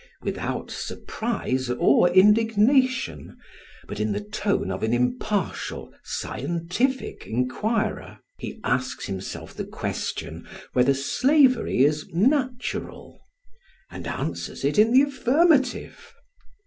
Without surprise or indignation, but in the tone of an impartial, scientific inquirer, he asks himself the question whether slavery is natural, and answers it in the affirmative.